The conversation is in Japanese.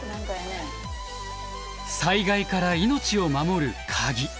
災害から命を守るカギ。